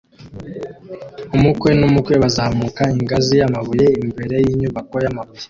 Umukwe n'umukwe bazamuka ingazi y'amabuye imbere y'inyubako y'amabuye